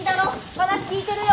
話聞いてるよ。